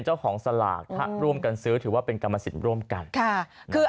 สลากถ้าร่วมกันซื้อถือว่าเป็นกรรมสิทธิ์ร่วมกัน